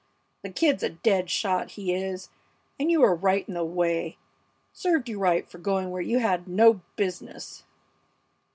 The Kid's a dead shot, he is, and you were right in the way. Served you right for going where you had no business!"